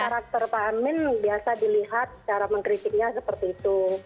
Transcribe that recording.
karakter pak amin biasa dilihat cara mengkritiknya seperti itu